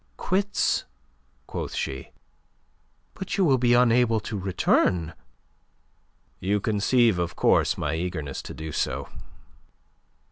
"Quits?" quoth she. "But you will be unable to return!" "You conceive, of course, my eagerness to do so.